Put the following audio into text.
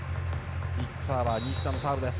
ビッグサーバー西田のサーブです。